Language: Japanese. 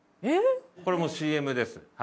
これもＣＭです。